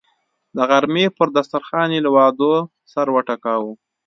د غرمې پر دسترخان یې له وعدو سر وټکاوه.